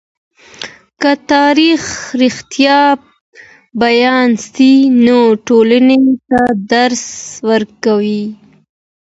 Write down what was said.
که تاریخ رښتیا بيان سي، نو ټولني ته درس ورکوي.